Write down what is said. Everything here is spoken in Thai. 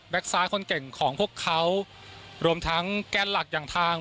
ซ้ายคนเก่งของพวกเขารวมทั้งแกนหลักอย่างทาง